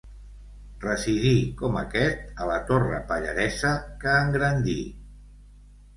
Residí, com aquest, a la torre Pallaresa, que engrandí.